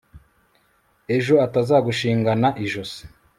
ejo atazagushingana ijosi